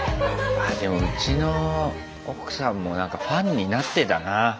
あでもうちの奥さんも何かファンになってたな。